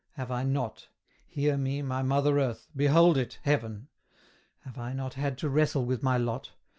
Have I not Hear me, my mother Earth! behold it, Heaven! Have I not had to wrestle with my lot?